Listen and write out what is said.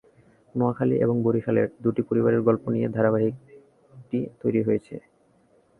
নোয়াখালী এবং বরিশালের দুটি পরিবারের গল্প নিয়ে ধারাবাহিকটি তৈরি করা হয়েছে।